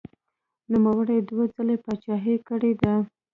نوموړي دوه ځلې پاچاهي کړې ده.